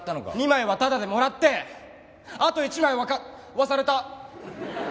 ２枚はタダでもらってあと１枚は買わされた。